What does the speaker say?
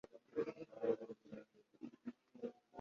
Mahamoud Moctar (Chad) Sufri Bolkiah (Brunei Darussalam)